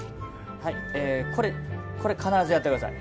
必ずやってください。